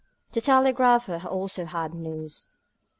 The telegrapher also had news.